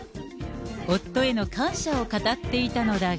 夫への感謝を語っていたのだが。